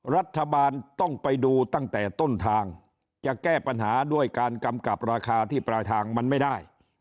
รัฐบาลต้องไปดูตั้งแต่ต้นทางจะแก้ปัญหาด้วยการกำกับราคาที่ปลายทางมันไม่ได้